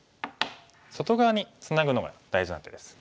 外側にツナぐのが大事な手です。